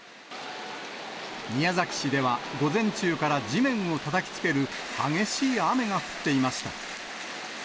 宮崎市では午前中から、地面をたたきつける激しい雨が降っていました。